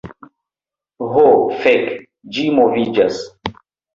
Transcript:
Ho fek', ĝi moviĝas!